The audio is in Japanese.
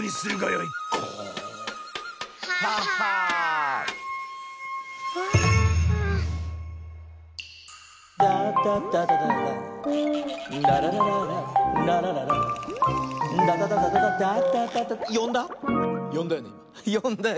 よんだ？